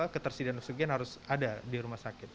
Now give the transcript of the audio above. ketersediaan oksigen harus ada di rumah sakit